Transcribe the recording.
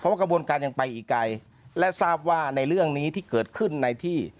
ว่ากระบวนการยังไปอีกไกลและทราบว่าในเรื่องนี้ที่เกิดขึ้นในที่